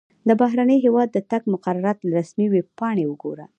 د بهرني هیواد د تګ مقررات له رسمي ویبپاڼې وګوره.